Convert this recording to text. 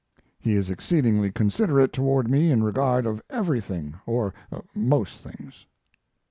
He is exceedingly considerate toward me in regard of everything or most things.